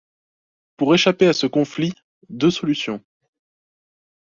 Pour échapper à ce conflit, deux solutions.